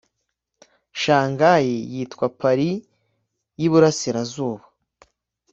shanghai yitwa paris yi burasirazuba.